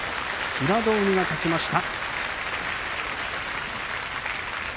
平戸海が勝ちました。